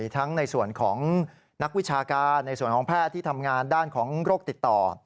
ในส่วนของนักวิชาการในส่วนของแพทย์ที่ทำงานด้านของโรคติดต่อ